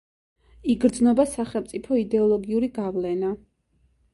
იგრძნობა სახელმწიფო იდეოლოგიური გავლენა.